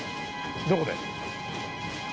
どこで？